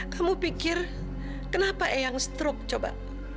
kamu pikir kenapa eyang stroke coba